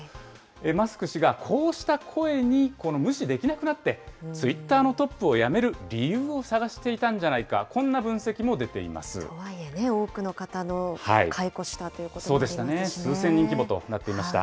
マスク氏がこうした声に無視できなくなって、ツイッターのトップを辞める理由を探していたんじゃとはいえね、多くの方を解雇数千人規模となっていました。